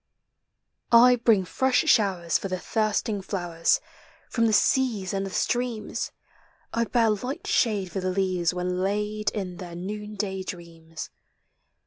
I bring fresh showers for the thirsting flowers, From the seas and the streams; I bear light shade for the leaves when laid In their noonday dreams.